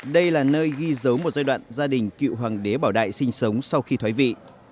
đây là nơi ghi dấu một giai đoạn gia đình cựu hoàng đế bảo đại sinh sống sau khi thoái vị